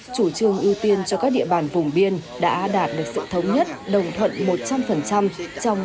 chủ trường ưu tiên cho các địa bàn vùng biên đã đạt được sự thống nhất đồng thuận một trăm linh phần trăm trong